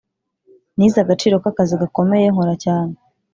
nize agaciro k'akazi gakomeye nkora cyane.